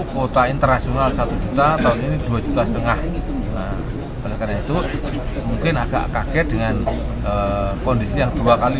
kuota internasional satu juta tahun ini dua lima juta mungkin agak kaget dengan kondisi yang dua kali